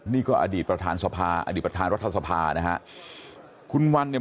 นี่ก็อดีตประธานสภาอดีตประธานรัฐสภานะฮะคุณวันเนี่ย